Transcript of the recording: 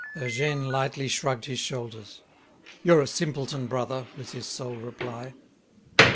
Eugène lightly shrugged his shoulders. "You're a simpleton, brother," was his sole reply.